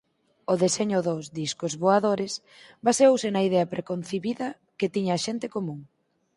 O deseño dos "discos voadores" baseouse na idea preconcibida que tiña a xente común.